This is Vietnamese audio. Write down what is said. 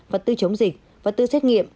và tư chống dịch và tư xét nghiệm